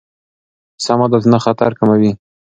سم عادتونه خطر کموي.